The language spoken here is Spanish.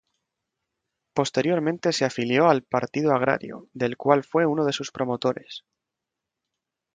Posteriormente se afilió al Partido Agrario, del cual fue uno de sus promotores.